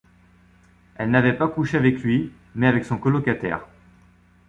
Elle n'avait pas couché avec lui, mais avec son colocataire.